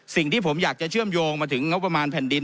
สิ่งที่ผมอยากจะเชื่อมโยงมาถึงงบประมาณแผ่นดิน